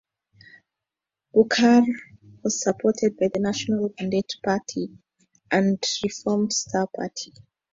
Bukhari was supported by the National Mandate Party and the Reform Star Party.